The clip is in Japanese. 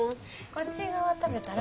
こっち側食べたら？